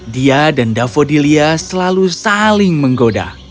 dia dan davodilia selalu saling menggoda